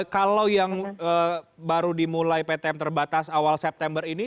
kalau yang baru dimulai ptm terbatas awal september ini